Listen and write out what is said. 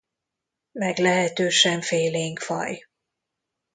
Meglehetősen félénk faj.